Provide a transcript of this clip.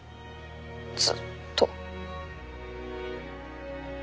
ずっと。